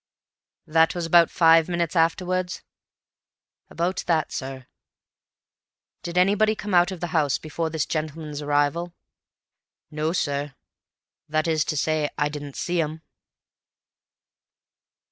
"That was about five minutes afterwards?" "About that, sir." "Did anybody come out of the house before this gentleman's arrival?" "No, sir. That is to say I didn't see 'em."